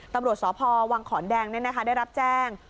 ตำรวจสพวังขอนแดงเนี่ยนะคะได้รับแจ้ง